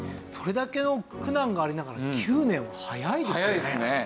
それだけの苦難がありながら９年は早いですよね。